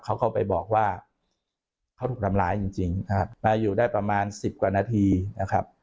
เขาก็ไปบอกว่าเขาถูกทำร้ายจริงมาอยู่ได้ประมาณ๑๐กว่านาทีนะครับ